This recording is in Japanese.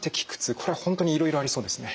これは本当にいろいろありそうですね。